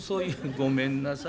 ごめんなさいね。